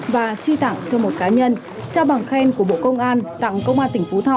và truy tặng cho một cá nhân trao bằng khen của bộ công an tặng công an tỉnh phú thọ